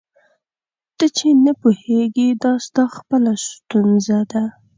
ته چي نه پوهېږې دا ستا خپله ستونزه ده.